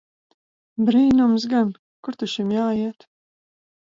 Brīnums gan! Kur ta šim jāiet!